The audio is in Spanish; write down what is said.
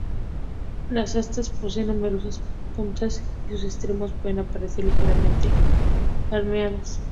Las astas poseen numerosas puntas y sus extremos pueden aparecer ligeramente palmeados.